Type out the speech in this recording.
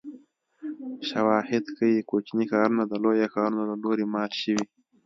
شواهد ښيي کوچني ښارونه د لویو ښارونو له لوري مات شوي